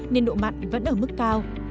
nên độ mặn vẫn ở mức cao